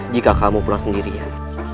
jika kamu pulang sendirian